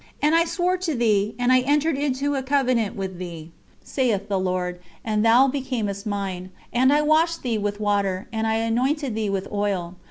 And I swore to thee, and I entered into a covenant with thee, saith the Lord God, and thou becamest Mine. And I washed thee with water, and I anointed thee with oil.